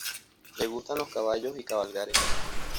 Le gustan los caballos y cabalgar en ellos.